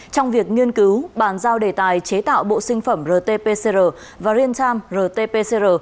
trong việc nghiên cứu bàn giao đề tài chế tạo bộ sinh phẩm rt pcr và real time rt pcr